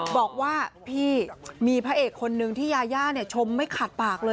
บอกว่าพี่มีพระเอกคนนึงที่ยายาชมไม่ขาดปากเลย